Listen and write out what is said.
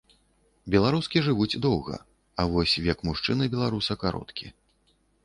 Беларускі жывуць доўга, а вось век мужчыны-беларуса кароткі.